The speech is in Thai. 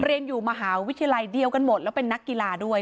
เรียนอยู่มหาวิทยาลัยเดียวกันหมดแล้วเป็นนักกีฬาด้วย